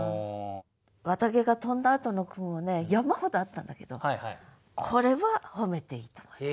絮毛が飛んだあとの句もね山ほどあったんだけどこれは褒めていいと思います。